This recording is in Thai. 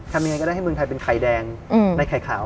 ทำยังไงก็ได้ให้เมืองไทยเป็นไข่แดงในไข่ขาว